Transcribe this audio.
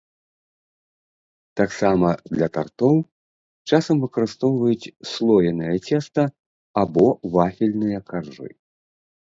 Таксама для тартоў часам выкарыстоўваюць слоенае цеста або вафельныя каржы.